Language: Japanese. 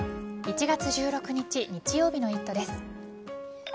１月１６日日曜日の「イット！」です。